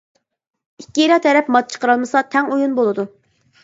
ئىككىلا تەرەپ مات چىقىرالمىسا تەڭ ئويۇن بولىدۇ.